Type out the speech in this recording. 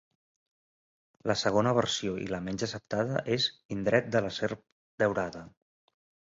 La segona versió i la menys acceptada és "indret de la serp daurada".